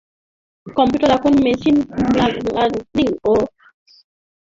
Computer এখন machine learning ও deep learning প্রযুক্তির মাধ্যমে মানুষের মতই বুদ্ধিমান হয়ে উঠছে।